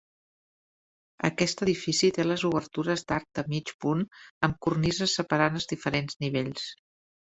Aquest edifici té les obertures d'arc de mig punt amb cornises separant els diferents nivells.